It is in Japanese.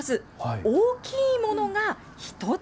大きいものが１つ。